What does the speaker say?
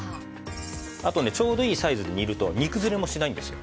あとねちょうどいいサイズで煮ると煮崩れもしないんですよ。